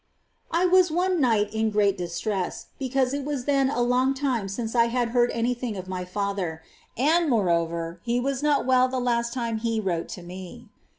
23. I was one night in great distress, because it was then a long time since I had heard any thing of my father ^ and, moreover, he was not well the last time he wrote to me.